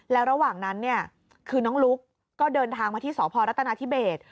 แล้วระหว่างนั้นเนี่ยคือน้องลุ๊กก็เดินทางมาที่สพรัฐนาธิเบส